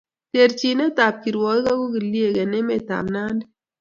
Terchnitap kirwogik ak ogiliek eng emet ab Nandi